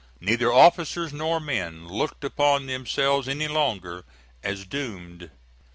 Neither officers nor men looked upon themselves any longer as doomed.